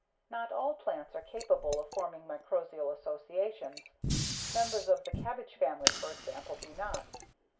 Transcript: Not all plants are capable of forming mycorrhizal associations. Members of the cabbage family, for example, do not.